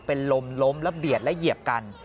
เป็นลมล้มและเบียดและเหยียบกัน